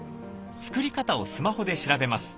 作り方をスマホで調べます。